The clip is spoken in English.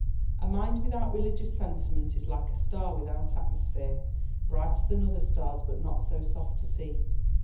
A mind without religious sentiment is like a star without atmosphere, brighter than other stars but not so soft to see.